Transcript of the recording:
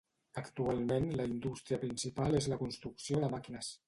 Actualment la indústria principal és la construcció de màquines.